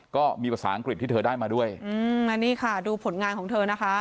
ก็มีภาษาอังกฤษที่เธอได้มาด้วยอืมแล้วนี่ค่ะดูผลงานของเธอนะคะ